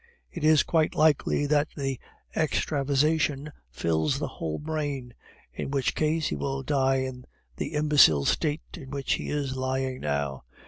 It is quite likely that the extravasation fills the whole brain, in which case he will die in the imbecile state in which he is lying now.